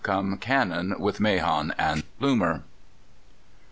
come cannon with Mahon and Plumer.